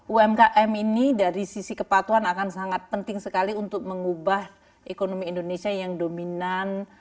umkm ini dari sisi kepatuan akan sangat penting sekali untuk mengubah ekonomi indonesia yang dominan